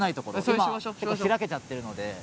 今は開けちゃってるので。